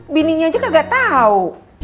bininya aja kagak tau